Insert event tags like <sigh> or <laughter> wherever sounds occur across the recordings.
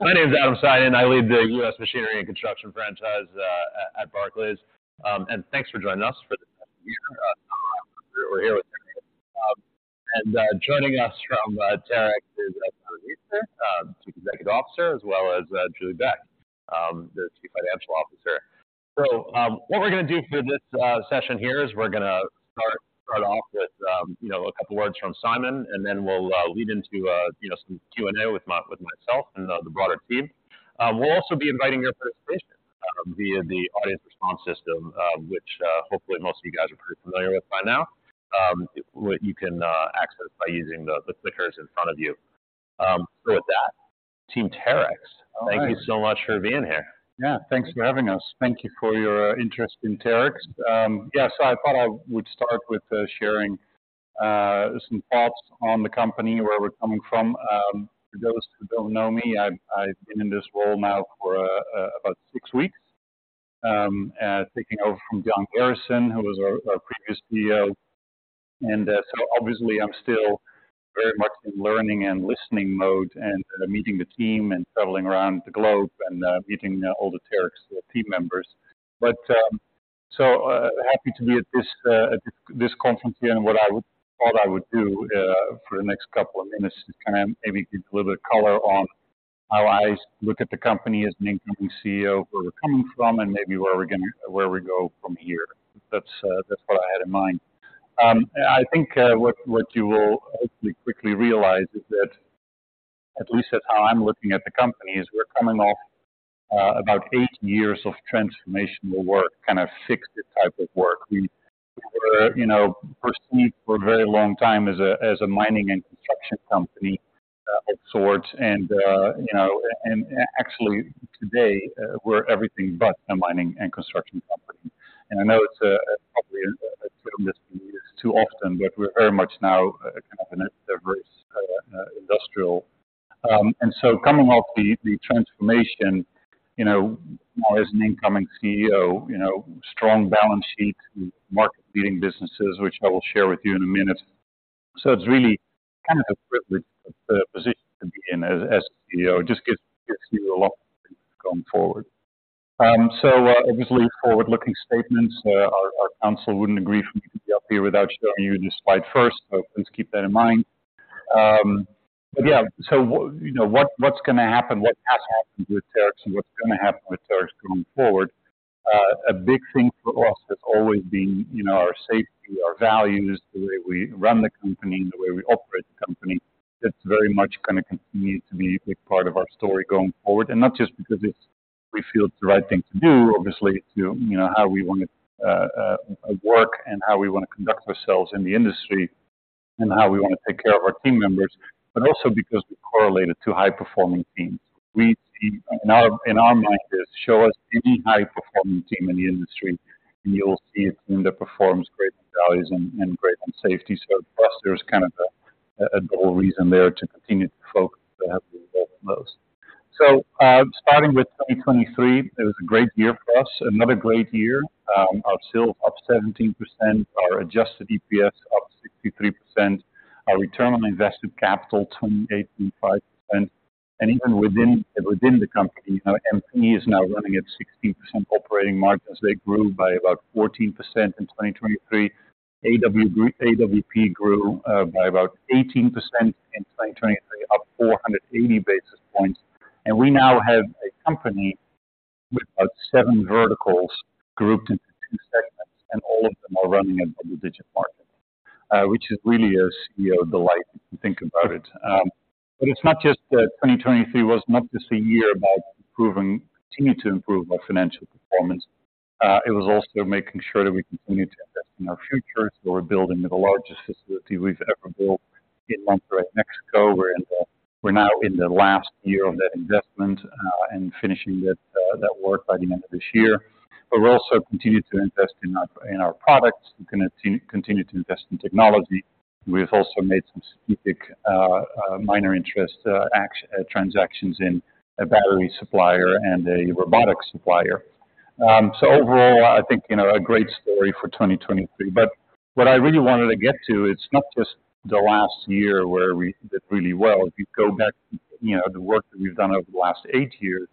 My name's Adam Seiden, I lead the U.S. Machinery and Construction franchise at Barclays. Thanks for joining us for this session here. We're here with Julie. Joining us from Terex is Simon Meester, Chief Executive Officer, as well as Julie Beck, the Chief Financial Officer. So what we're going to do for this session here is we're going to start off with a couple of words from Simon, and then we'll lead into some Q&A with myself and the broader team. We'll also be inviting your participation via the audience response system, which hopefully most of you guys are pretty familiar with by now. You can access by using the clickers in front of you. So with that, Team Terex, thank you so much for being here. Yeah, thanks for having us. Thank you for your interest in Terex. Yeah, so I thought I would start with sharing some thoughts on the company, where we're coming from. For those who don't know me, I've been in this role now for about six weeks, taking over from John Garrison, who was our previous CEO. And so obviously I'm still very much in learning and listening mode, and meeting the team, and traveling around the globe, and meeting all the Terex team members. But so happy to be at this conference here. And what I thought I would do for the next couple of minutes is kind of maybe give a little bit of color on how I look at the company as an incoming CEO, where we're coming from, and maybe where we go from here. That's what I had in mind. I think what you will hopefully quickly realize is that, at least that's how I'm looking at the company, is we're coming off about eight years of transformational work, kind of fixed type of work. We were perceived for a very long time as a mining and construction company of sorts. And actually today we're everything but a mining and construction company. And I know it's probably a term that's been used too often, but we're very much now kind of an aerial industrial. And so coming off the transformation, now as an incoming CEO, strong balance sheet, market-leading businesses, which I will share with you in a minute. So it's really kind of a privileged position to be in as a CEO. It just gives you a lot of going forward. So obviously forward-looking statements. Our council wouldn't agree for me to be up here without showing you this slide first, so please keep that in mind. But yeah, so what's going to happen, what has happened with Terex, and what's going to happen with Terex going forward? A big thing for us has always been our safety, our values, the way we run the company, the way we operate the company. It's very much going to continue to be a big part of our story going forward. And not just because we feel it's the right thing to do, obviously, to how we want to work, and how we want to conduct ourselves in the industry, and how we want to take care of our team members, but also because we're correlated to high-performing teams. In our mind, it is: show us any high-performing team in the industry, and you'll see a team that performs great on values and great on safety. So for us, there's kind of a double reason there to continue to focus to have the results most. So starting with 2023, it was a great year for us, another great year. Our sales up 17%, our Adjusted EPS up 63%, our Return on Invested Capital 28.5%. And even within the company, MP is now running at 16% operating margins. They grew by about 14% in 2023. AWP grew by about 18% in 2023, up 480 basis points. And we now have a company with about seven verticals grouped into two segments, and all of them are running at double-digit margins, which is really a CEO delight if you think about it. But it's not just that 2023 was not just a year about improving, continuing to improve our financial performance. It was also making sure that we continue to invest in our future. So we're building the largest facility we've ever built in Monterrey, Mexico. We're now in the last year of that investment and finishing that work by the end of this year. But we're also continuing to invest in our products. We're going to continue to invest in technology. We've also made some strategic minor interest transactions in a battery supplier and a robotics supplier. So overall, I think a great story for 2023. But what I really wanted to get to, it's not just the last year where we did really well. If you go back to the work that we've done over the last 8 years,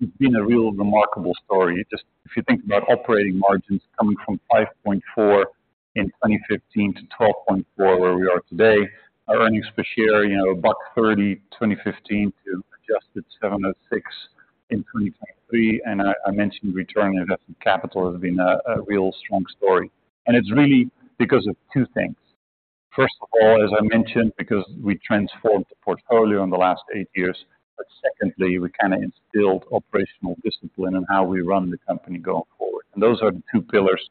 it's been a real remarkable story. Just if you think about operating margins coming from 5.4% in 2015 to 12.4% where we are today, our earnings per share $1.30 in 2015 to adjusted $7.06 in 2023. I mentioned return on invested capital has been a real strong story. It's really because of two things. First of all, as I mentioned, because we transformed the portfolio in the last eight years. But secondly, we kind of instilled operational discipline in how we run the company going forward. Those are the two pillars.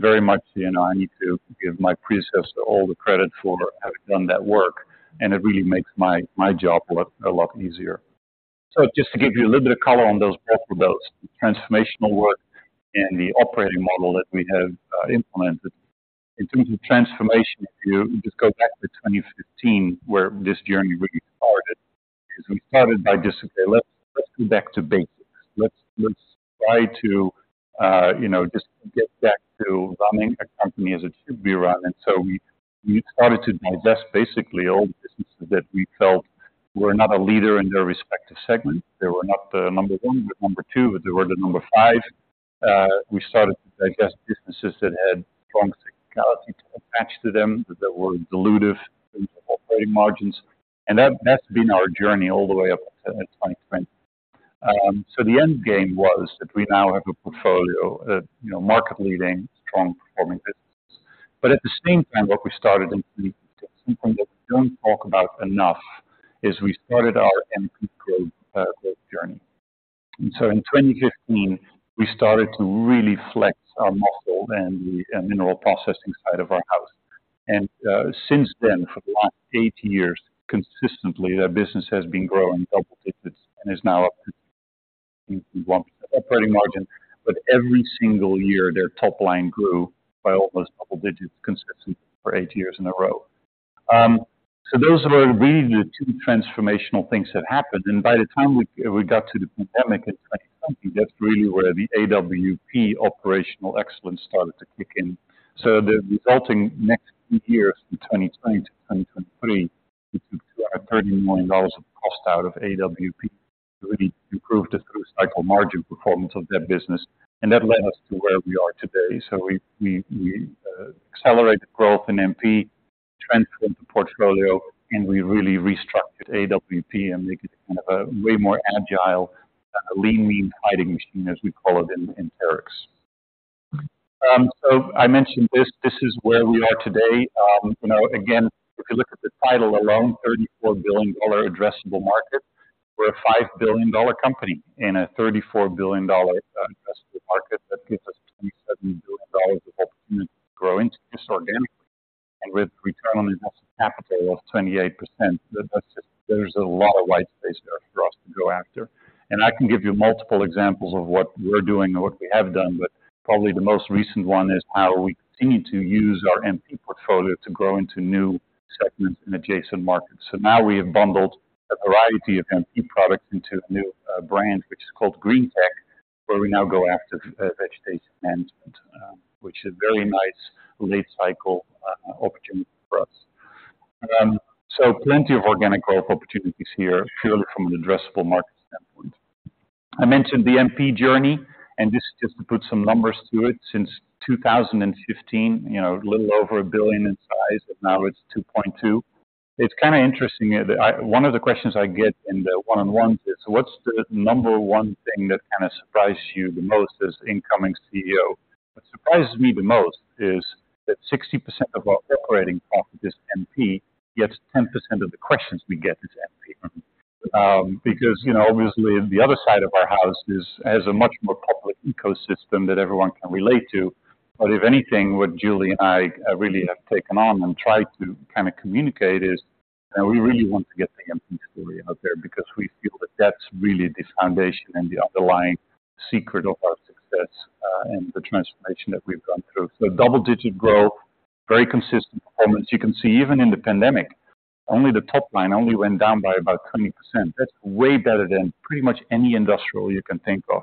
Very much I need to give my predecessor all the credit for having done that work. It really makes my job a lot easier. Just to give you a little bit of color on both of those, the transformational work and the operating model that we have implemented. In terms of transformation, if you just go back to 2015, where this journey really started, is we started by just, okay, let's go back to basics. Let's try to just get back to running a company as it should be run. And so we started to digest basically all the businesses that we felt were not a leader in their respective segment. They were not the number 1, but number 2, but they were the number 5. We started to digest businesses that had strong technicality attached to them, that were dilutive in terms of operating margins. And that's been our journey all the way up to 2020. So the end game was that we now have a portfolio of market-leading, strong-performing businesses. But at the same time, what we started in 2015, something that we don't talk about enough, is we started our MP growth journey. So in 2015, we started to really flex our muscle in the mineral processing side of our house. And since then, for the last 8 years, consistently, that business has been growing double digits and is now up to <inaudible> operating margin. But every single year, their top line grew by almost double digits consistently for 8 years in a row. So those were really the 2 transformational things that happened. And by the time we got to the pandemic in 2020, that's really where the AWP operational excellence started to kick in. So the resulting next 2 years, from 2020 to 2023, we took $230 million of cost out of AWP to really improve the through-cycle margin performance of that business. And that led us to where we are today. So we accelerated growth in MP, transformed the portfolio, and we really restructured AWP and made it kind of a way more agile, lean mean hiding machine, as we call it in Terex. So I mentioned this. This is where we are today. Again, if you look at the title alone, $34 billion addressable market, we're a $5 billion company in a $34 billion addressable market that gives us $27 billion of opportunity to grow into this organically. And with return on invested capital of 28%, there's a lot of white space there for us to go after. And I can give you multiple examples of what we're doing and what we have done. But probably the most recent one is how we continue to use our MP portfolio to grow into new segments in adjacent markets. So now we have bundled a variety of NP products into a new brand, which is called Green Tech, where we now go after vegetation management, which is a very nice late-cycle opportunity for us. So plenty of organic growth opportunities here, purely from an addressable market standpoint. I mentioned the NP journey, and this is just to put some numbers to it. Since 2015, a little over $1 billion in size, and now it's $2.2 billion. It's kind of interesting. One of the questions I get in the one-on-ones is, what's the number one thing that kind of surprised you the most as incoming CEO? What surprises me the most is that 60% of our operating profit is NP, yet 10% of the questions we get is NP. Because obviously, the other side of our house has a much more public ecosystem that everyone can relate to. But if anything, what Julie and I really have taken on and tried to kind of communicate is, we really want to get the MP story out there, because we feel that that's really the foundation and the underlying secret of our success and the transformation that we've gone through. So double-digit growth, very consistent performance. You can see even in the pandemic, only the top line only went down by about 20%. That's way better than pretty much any industrial you can think of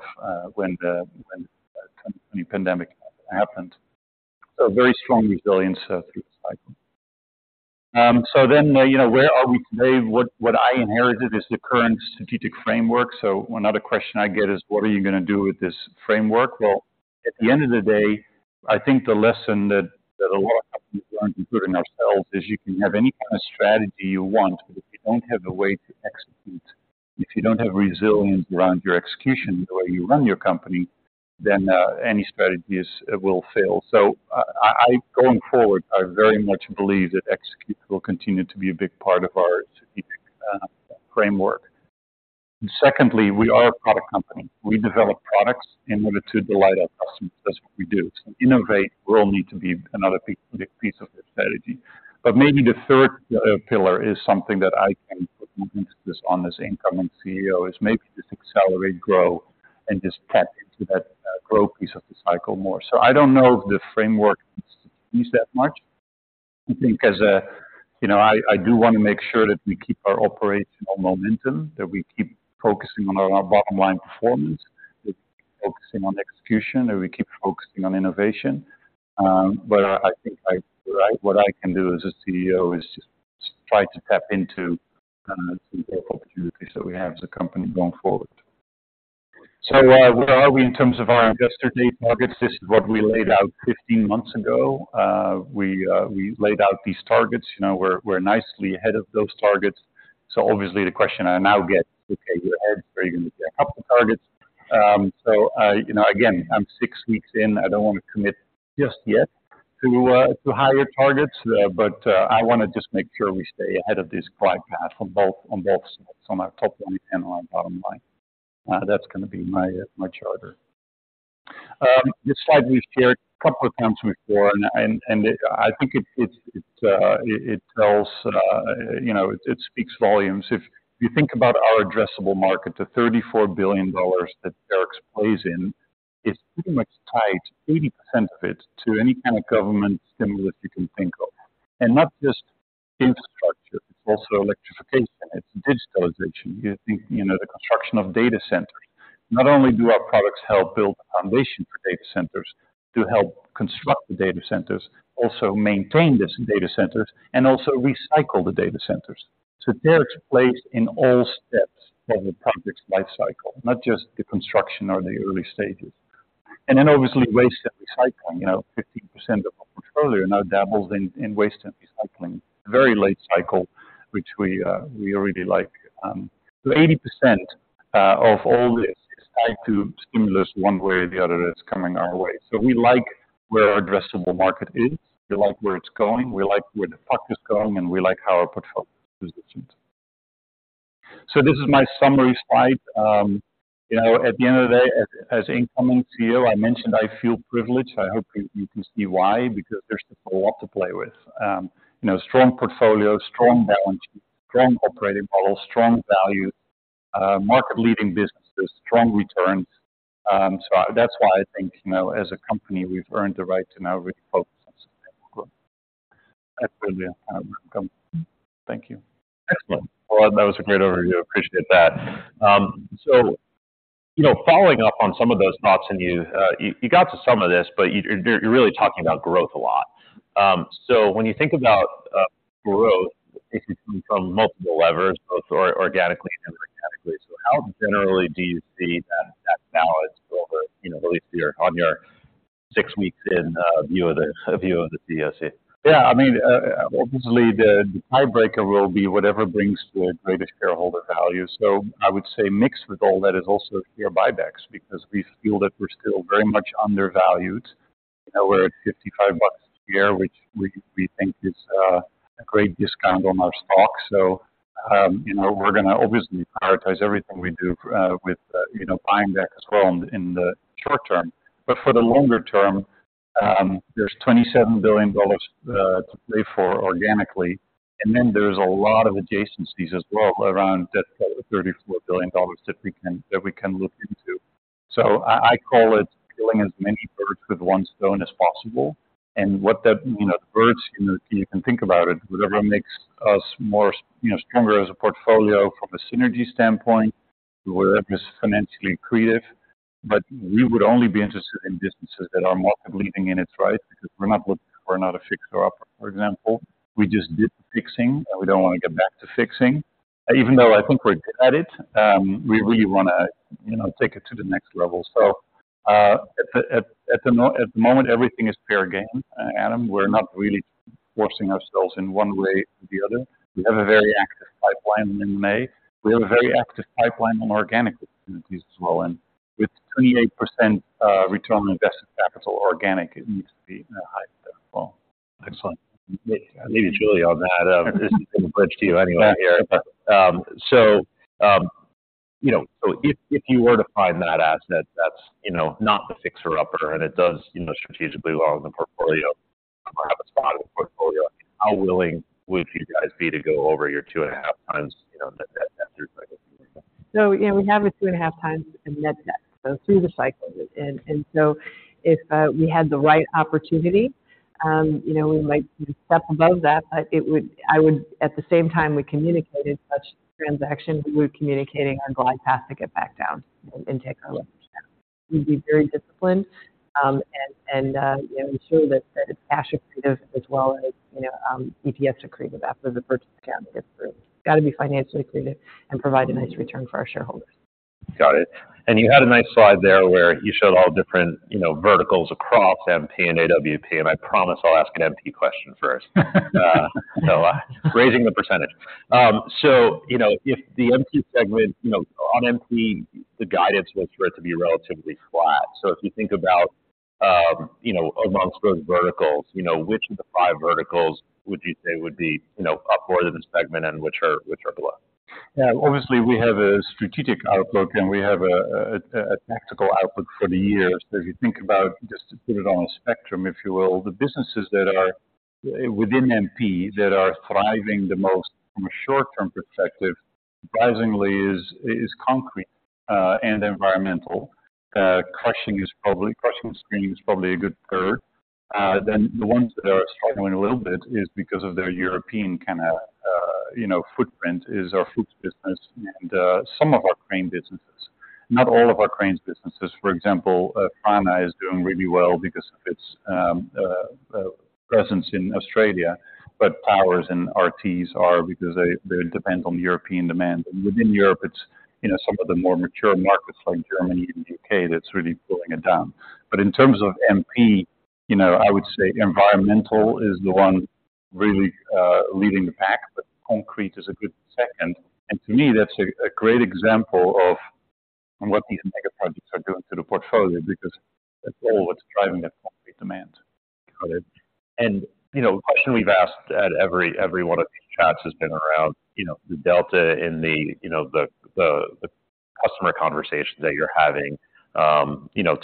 when the 2020 pandemic happened. So very strong resilience through the cycle. So then where are we today? What I inherited is the current strategic framework. So another question I get is, what are you going to do with this framework? Well, at the end of the day, I think the lesson that a lot of companies learn, including ourselves, is you can have any kind of strategy you want, but if you don't have a way to execute, if you don't have resilience around your execution in the way you run your company, then any strategy will fail. So going forward, I very much believe that execute will continue to be a big part of our strategic framework. Secondly, we are a product company. We develop products in order to delight our customers. That's what we do. So innovate will need to be another big piece of the strategy. But maybe the third pillar is something that I can put more emphasis on as incoming CEO, is maybe just accelerate, grow, and just tap into that growth piece of the cycle more. So I don't know if the framework needs to change that much. I think as a CEO I do want to make sure that we keep our operational momentum, that we keep focusing on our bottom line performance, that we keep focusing on execution, that we keep focusing on innovation. But I think what I can do as a CEO is just try to tap into some growth opportunities that we have as a company going forward. So where are we in terms of our Investors Day targets? This is what we laid out 15 months ago. We laid out these targets. We're nicely ahead of those targets. So obviously the question I now get, okay, you're ahead, so are you going to pick up the targets? So again, I'm six weeks in. I don't want to commit just yet to higher targets. But I want to just make sure we stay ahead of this glide path on both sides, on our top line and on our bottom line. That's going to be my charter. This slide we've shared a couple of times before, and I think it tells, it speaks volumes. If you think about our addressable market, the $34 billion that Terex plays in, it's pretty much tied, 80% of it, to any kind of government stimulus you can think of. And not just infrastructure, it's also electrification. It's digitalization. You think the construction of data centers. Not only do our products help build a foundation for data centers, to help construct the data centers, also maintain these data centers, and also recycle the data centers. So Terex plays in all steps of the project's life cycle, not just the construction or the early stages. And then obviously, waste and recycling. 15% of our portfolio now dabbles in waste and recycling, very late cycle, which we really like. So 80% of all this is tied to stimulus one way or the other that's coming our way. So we like where our addressable market is. We like where it's going. We like where the puck is going, and we like how our portfolio is positioned. So this is my summary slide. At the end of the day, as incoming CEO, I mentioned I feel privileged. I hope you can see why, because there's just a lot to play with. Strong portfolio, strong balance sheet, strong operating model, strong values, market-leading businesses, strong returns. So that's why I think as a company, we've earned the right to now really focus on sustainable growth. That's really kind of where I'm coming from. Thank you. Excellent. Well, that was a great overview. I appreciate that. So following up on some of those thoughts, and you got to some of this, but you're really talking about growth a lot. So when you think about growth, it's coming from multiple levers, both organically and inorganically. So how generally do you see that balance over, at least on your six weeks in view of the CEO's seat? Yeah. I mean, obviously, the tiebreaker will be whatever brings the greatest shareholder value. So I would say mixed with all that is also share buybacks, because we feel that we're still very much undervalued. We're at $55 a share, which we think is a great discount on our stock. So we're going to obviously prioritize everything we do with buying back as well in the short term. But for the longer term, there's $27 billion to play for organically. And then there's a lot of adjacencies as well around that $34 billion that we can look into. So I call it killing as many birds with one stone as possible. And what that means, the birds, you can think about it, whatever makes us more stronger as a portfolio from a synergy standpoint, wherever it's financially creative. But we would only be interested in businesses that are market-leading in its own right, because we're not looking for another fixer-upper, for example. We just did the fixing, and we don't want to get back to fixing. Even though I think we're good at it, we really want to take it to the next level. So at the moment, everything is fair game, Adam. We're not really forcing ourselves in one way or the other. We have a very active pipeline in M&A. We have a very active pipeline on organic opportunities as well. And with 28% return on invested capital organic, it needs to be higher as well. Excellent. Maybe Julie on that. This is going to bridge to you anyway here. So if you were to find that asset that's not the fixer-upper and it does strategically well in the portfolio, have a spot in the portfolio, how willing would you guys be to go over your 2.5 times net through cycle? So yeah, we have a 2.5x in net debt, so through the cycle. And so if we had the right opportunity, we might step above that. But at the same time, we communicated such transaction, we would be communicating our glide path to get back down and take our leverage down. We'd be very disciplined and ensure that it's cash accretive as well as EPS accretive after the purchase accounting gets through. It's got to be financially accretive and provide a nice return for our shareholders. Got it. And you had a nice slide there where you showed all different verticals across MP and AWP. And I promise I'll ask an MP question first. So raising the percentage. So if the MP segment, on MP, the guidance was for it to be relatively flat. So if you think about among those verticals, which of the five verticals would you say would be up more than this segment and which are below? Yeah. Obviously, we have a strategic outlook, and we have a tactical outlook for the year. So if you think about, just to put it on a spectrum, if you will, the businesses that are within NP that are thriving the most from a short-term perspective, surprisingly, is concrete and environmental. Crushing and screening is probably a good third. Then the ones that are struggling a little bit is because of their European kind of footprint, is our Fuchs business and some of our crane businesses. Not all of our cranes' businesses. For example, Franna is doing really well because of its presence in Australia. But Powerscreen and RTs are because they depend on European demand. And within Europe, it's some of the more mature markets like Germany and the U.K. that's really pulling it down. But in terms of MP, I would say Environmental is the one really leading the pack, but concrete is a good second. And to me, that's a great example of what these mega projects are doing to the portfolio, because that's all what's driving that concrete demand. Got it. And the question we've asked at every one of these chats has been around the delta in the customer conversations that you're having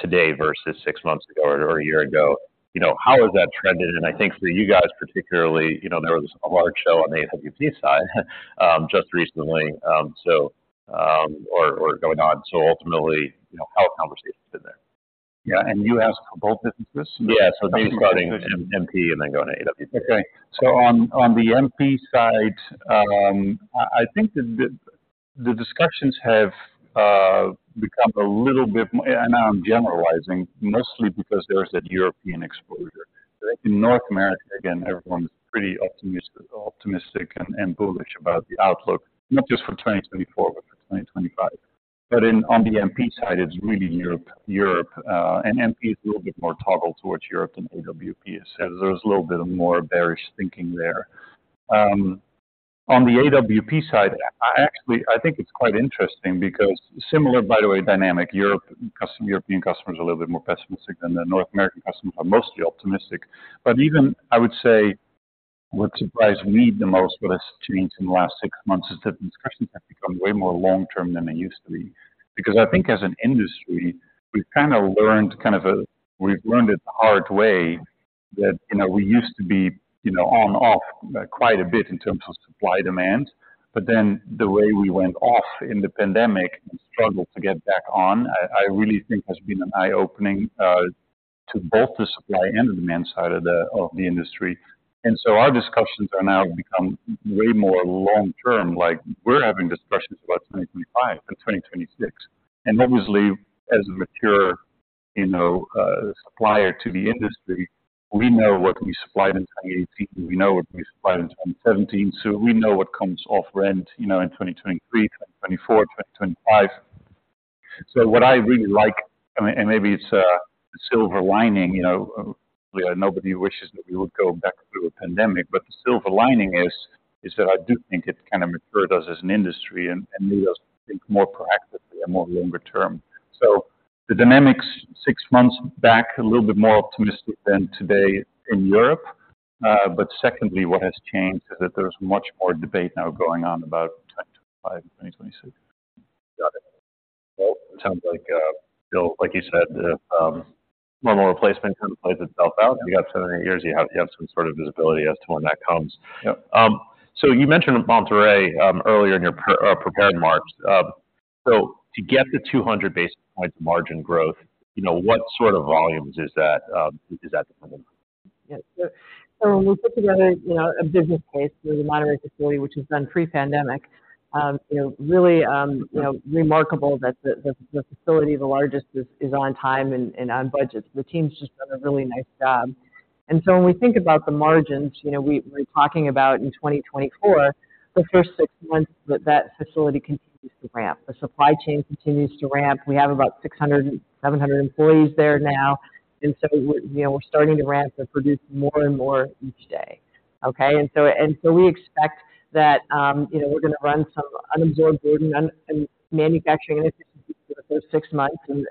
today versus six months ago or a year ago. How has that trended? And I think for you guys particularly, there was a large show on the AWP side just recently or going on. So ultimately, how have conversations been there? Yeah. And you asked for both businesses? Yeah. So maybe starting MP and then going to AWP. Okay. So on the MP side, I think that the discussions have become a little bit and now I'm generalizing, mostly because there's that European exposure. I think in North America, again, everyone's pretty optimistic and bullish about the outlook, not just for 2024, but for 2025. But on the MP side, it's really Europe. And MP is a little bit more toggled towards Europe than AWP is. There's a little bit of more bearish thinking there. On the AWP side, I think it's quite interesting, because similar, by the way, dynamic. European customers are a little bit more pessimistic than the North American customers are mostly optimistic. But even I would say what surprised me the most with this change in the last 6 months is that discussions have become way more long-term than they used to be. Because I think as an industry, we've learned it the hard way, that we used to be on/off quite a bit in terms of supply/demand. But then the way we went off in the pandemic and struggled to get back on, I really think has been an eye-opening to both the supply and the demand side of the industry. And so our discussions are now become way more long-term. We're having discussions about 2025 and 2026. And obviously, as a mature supplier to the industry, we know what we supplied in 2018. We know what we supplied in 2017. So we know what comes off rent in 2023, 2024, 2025. So what I really like, and maybe it's a silver lining, obviously, nobody wishes that we would go back through a pandemic. But the silver lining is that I do think it kind of matured us as an industry and made us think more proactively and more longer term. So the dynamics, six months back, a little bit more optimistic than today in Europe. But secondly, what has changed is that there's much more debate now going on about 2025 and 2026. Got it. Well, it sounds like still, like you said, normal replacement kind of plays itself out. You got seven or eight years. You have some sort of visibility as to when that comes. So you mentioned Monterrey earlier in your prepared remarks. So to get the 200 basis points of margin growth, what sort of volumes is that dependent on? Yeah. So when we put together a business case for the Monterrey facility, which was done pre-pandemic, really remarkable that the facility, the largest, is on time and on budget. The team's just done a really nice job. And so when we think about the margins, we're talking about in 2024, the first six months, that facility continues to ramp. The supply chain continues to ramp. We have about 600-700 employees there now. And so we're starting to ramp and produce more and more each day. Okay? And so we expect that we're going to run some unabsorbed burden on manufacturing and efficiency for the first six months. And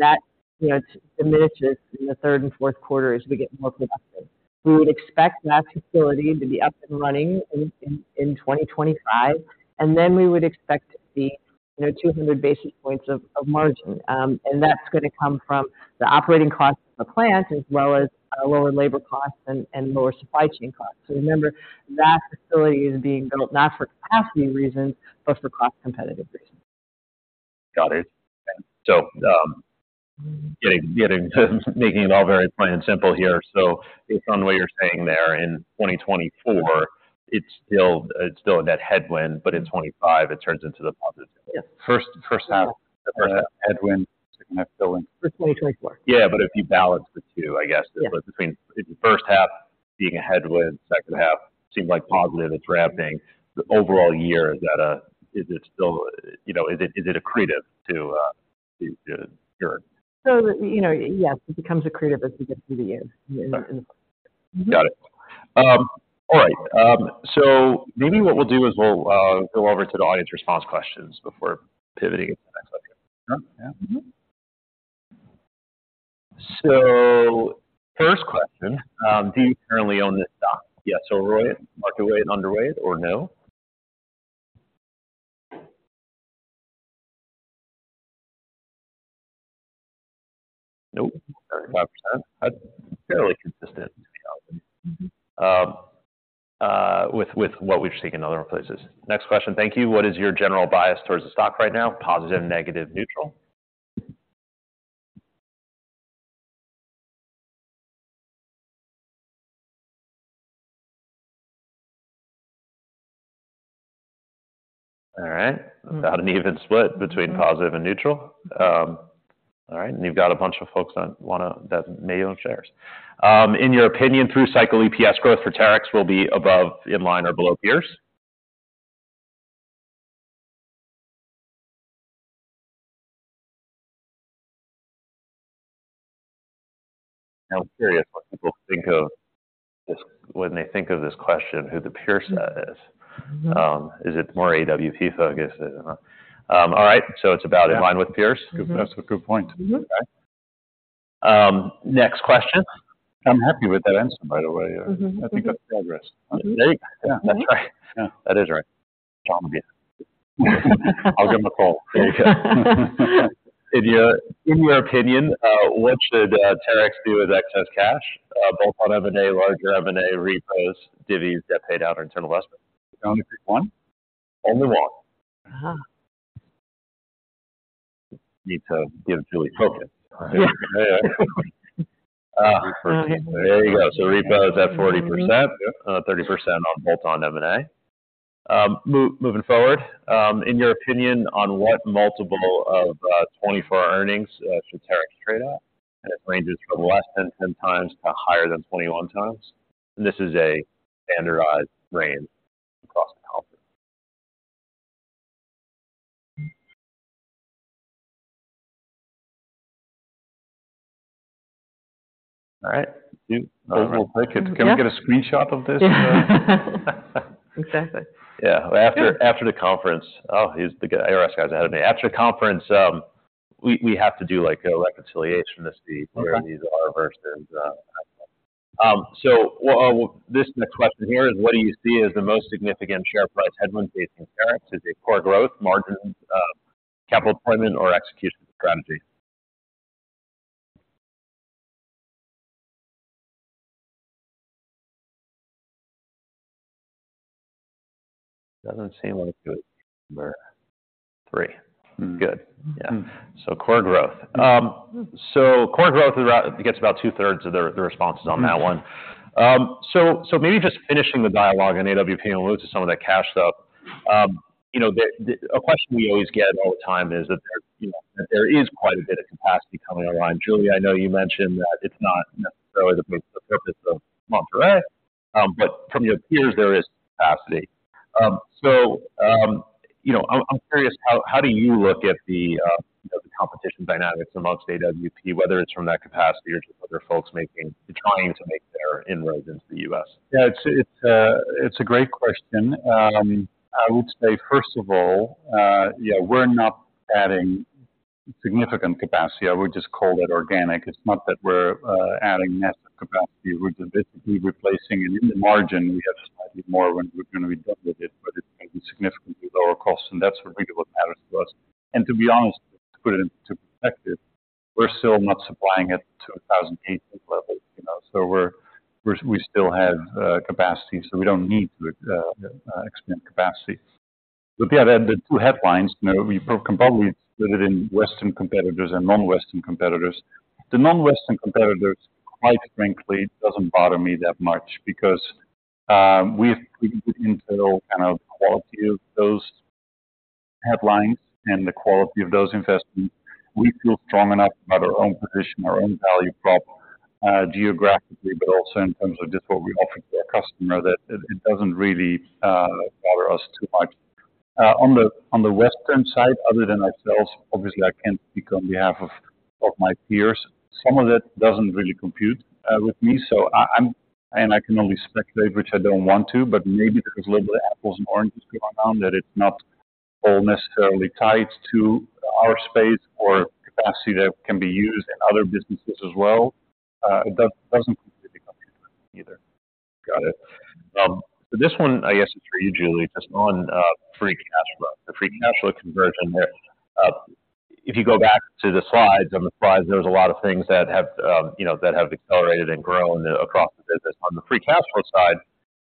that diminishes in the third and fourth quarter as we get more productive. We would expect that facility to be up and running in 2025. And then we would expect to see 200 basis points of margin. That's going to come from the operating costs of the plant as well as lower labor costs and lower supply chain costs. Remember, that facility is being built not for capacity reasons, but for cost-competitive reasons. Got it. So making it all very plain and simple here, so based on what you're saying there, in 2024, it's still a net headwind, but in 2025, it turns into the positive. First half, headwind, H2, still in. For 2024? Yeah. But if you balance the two, I guess, between H1 being a headwind, H2 seems like positive, it's ramping. The overall year, is it still is it accretive to your? So yes, it becomes accretive as we get through the year in the first year. Got it. All right. So maybe what we'll do is we'll go over to the audience response questions before pivoting into the next question. So first question, do you currently own this stock? Yes or overweight, market weight and underweight, or no? No. 35%. That's fairly consistent, to be honest, with what we've seen in other places. Next question. Thank you. What is your general bias towards the stock right now? Positive, negative, neutral? All right. So had an even split between positive and neutral. All right. And you've got a bunch of folks that may own shares. In your opinion, through-cycle EPS growth for Terex will be above, in line, or below peers? Now, I'm curious what people think of this when they think of this question, who the peer set is. Is it more AWP-focused? All right. So it's about in line with peers? That's a good point. Okay. Next question. I'm happy with that answer, by the way. I think that's progress. Great. Yeah. That's right. That is right. I'll give him a call. There you go. In your opinion, what should Terex do with excess cash? Bolt-on M&A, larger M&A, repos, dividends, debt paydown, or internal investment? Only pick one? Only one. Need to give Julie focus. There you go. So ROIC at 40%, 30% on bolt-on M&A. Moving forward, in your opinion, on what multiple of 2024 earnings should Terex trade at? And it ranges from less than 10x to higher than 21x. And this is a standardized range across the country. All right. We'll take it. Can we get a screenshot of this? Exactly. Yeah. After the conference, oh, here's the ARS guys ahead of me. After the conference, we have to do a reconciliation to see where these are versus so this next question here is, what do you see as the most significant share price headwind facing Terex? Is it core growth, margin, capital deployment, or execution strategy? Doesn't seem like it's number three. Good. Yeah. So core growth. So core growth gets about two-thirds of the responses on that one. So maybe just finishing the dialogue in AWP and we'll move to some of that cash stuff. A question we always get all the time is that there is quite a bit of capacity coming online. Julie, I know you mentioned that it's not necessarily the purpose of Monterrey. But from your peers, there is capacity. So I'm curious, how do you look at the competition dynamics among AWP, whether it's from that capacity or just other folks trying to make their inroads into the U.S? Yeah. It's a great question. I would say, first of all, we're not adding significant capacity. I would just call that organic. It's not that we're adding massive capacity. We're just basically replacing and on the margin, we have slightly more when we're going to be done with it. But it's going to be significantly lower cost. And that's really what matters to us. And to be honest, to put it into perspective, we're still not supplying at 2,000 unit levels. So we still have capacity. So we don't need to expand capacity. But yeah, the two headwinds, you can probably split it into Western competitors and non-Western competitors. The non-Western competitors, quite frankly, doesn't bother me that much, because we've taken into account kind of the quality of those headwinds and the quality of those investments. We feel strong enough about our own position, our own value prop geographically, but also in terms of just what we offer to our customer, that it doesn't really bother us too much. On the Western side, other than ourselves, obviously, I can't speak on behalf of my peers. Some of that doesn't really compute with me. And I can only speculate, which I don't want to. But maybe there's a little bit of apples and oranges going on, that it's not all necessarily tied to our space or capacity that can be used in other businesses as well. It doesn't completely compute with me either. Got it. So this one, I guess it's for you, Julie, just on free cash flow. The free cash flow conversion here, if you go back to the slides, on the slides, there's a lot of things that have accelerated and grown across the business. On the free cash flow side,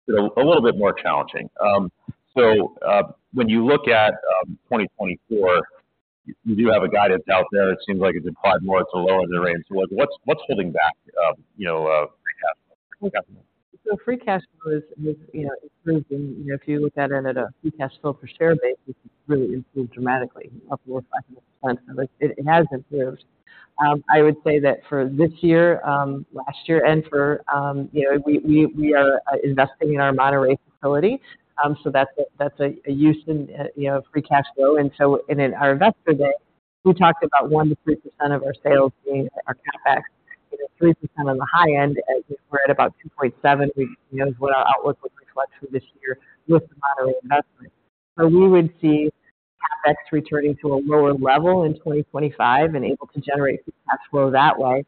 it's a little bit more challenging. So when you look at 2024, you do have a guidance out there. It seems like it's implied more it's a lower in the range. So what's holding back free cash flow? Free cash flow has improved. If you look at it on a free cash flow per share basis, it's really improved dramatically, up over 500%. It has improved. I would say that for this year, last year, and for we are investing in our Monterrey facility. So that's a use in free cash flow. In our investor day, we talked about 1%-3% of our sales being our CapEx, 3% on the high end. We're at about 2.7%. Who knows what our outlook will reflect for this year with the Monterrey investment? We would see CapEx returning to a lower level in 2025 and able to generate free cash flow that way.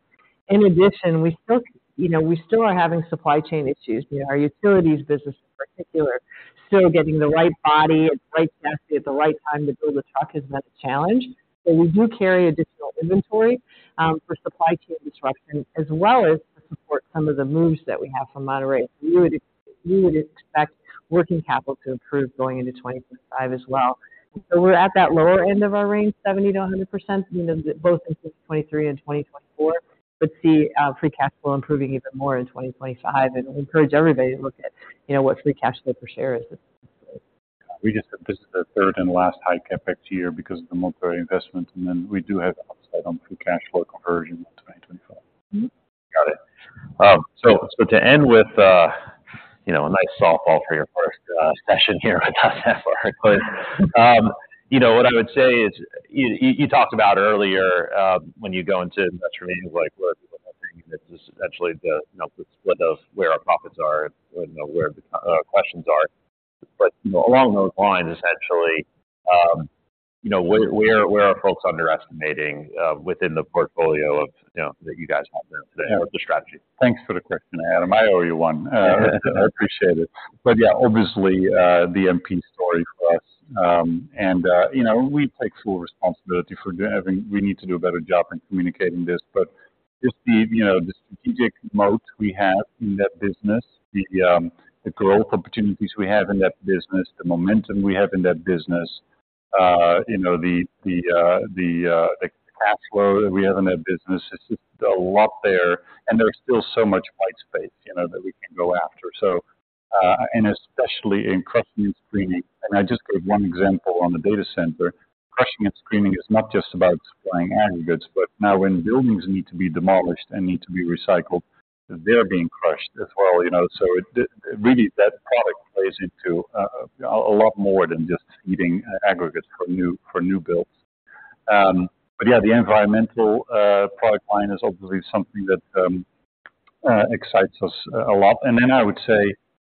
In addition, we still are having supply chain issues. Our utilities business in particular, still getting the right body at the right capacity at the right time to build a truck has been a challenge. So we do carry additional inventory for supply chain disruption, as well as to support some of the moves that we have from Monterrey. So we would expect working capital to improve going into 2025 as well. So we're at that lower end of our range, 70%-100%, both in 2023 and 2024, but see free cash flow improving even more in 2025. And we encourage everybody to look at what free cash flow per share is. We just said this is the third and last high Capex year because of the Monterrey investment. And then we do have upside on Free Cash Flow conversion in 2025. Got it. So to end with a nice softball for your first session here with us at Barclays, what I would say is you talked about earlier when you go into investment meetings where people are hoping that this is actually the split of where our profits are and where the questions are. But along those lines, essentially, where are folks underestimating within the portfolio that you guys have now today? What's the strategy? Thanks for the question, Adam. I owe you one. I appreciate it. But yeah, obviously, the MP story for us. And we take full responsibility for having we need to do a better job in communicating this. But just the strategic moat we have in that business, the growth opportunities we have in that business, the momentum we have in that business, the cash flow that we have in that business, it's just a lot there. And there's still so much white space that we can go after. And especially in crushing and screening and I just gave one example on the data center. Crushing and screening is not just about supplying aggregates. But now when buildings need to be demolished and need to be recycled, they're being crushed as well. So really, that product plays into a lot more than just feeding aggregates for new builds. But yeah, the environmental product line is obviously something that excites us a lot. And then I would say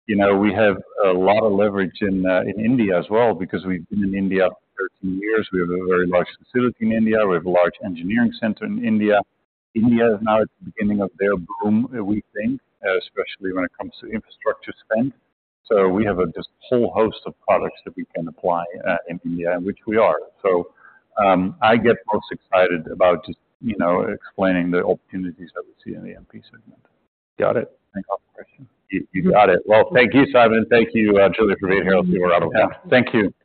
we have a lot of leverage in India as well, because we've been in India for 13 years. We have a very large facility in India. We have a large engineering center in India. India is now at the beginning of their boom, we think, especially when it comes to infrastructure spend. So we have just a whole host of products that we can apply in India, in which we are. So I get most excited about just explaining the opportunities that we see in the MP segment. Got it. Thanks for the question. You got it. Well, thank you, Simon. Thank you, Julie, for being here. I'll see you around a while. Yeah. Thank you.